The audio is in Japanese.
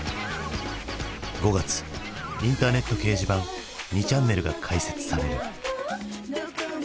５月インターネット掲示板２ちゃんねるが開設される。